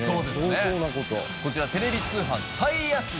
こちらテレビ通販最安値。